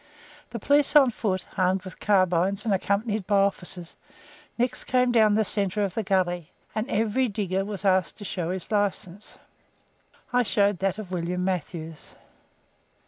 The police on foot, armed with carbines and accompanied by officers, next came down the centre of the gully, and every digger was asked to show his license. I showed that of William Matthews.